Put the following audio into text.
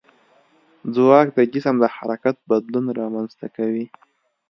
ځواک د جسم د حرکت بدلون رامنځته کوي.